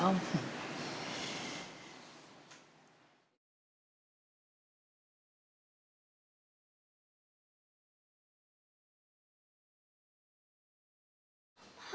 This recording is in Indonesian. terima kasih om